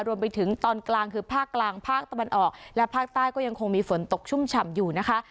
รวมไปถึงตอนกลางคือภาคกลางภาคตะวันออกและภาคใต้ก็ยังคงมีฝนตกชุ่มฉ่ำอยู่นะคะ